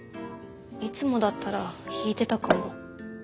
いつもだったら引いてたかも。